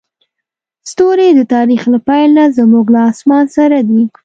ستوري د تاریخ له پیل نه زموږ له اسمان سره دي.